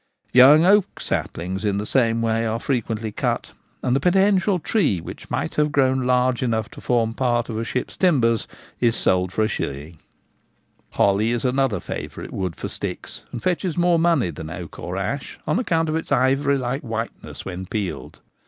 Young oak saplings, in the same way, are frequently cut ; and the potential tree which might have grown large enough to form part of a ship's timbers is sold for a shilling. 136 The Gamekeeper at Home. Holly is another favourite wood for sticks, and fetches more money than oak or ash, on account of its ivory like whiteness when peeled.